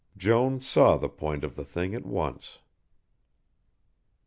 Jones saw the point of the thing at once.